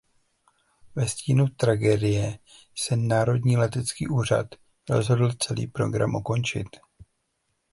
Ve stínu tragédie se "Národní letecký úřad" rozhodl celý program ukončit.